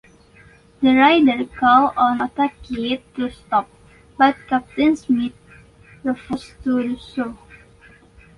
The raider called on "Otaki" to stop, but Captain Smith refused to do so.